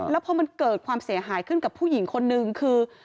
แล้วพอมันเกิดความเสียหายขึ้นกับผู้หญิงคนนึงคือ